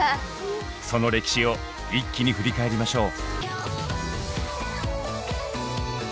その歴史を一気に振り返りましょう。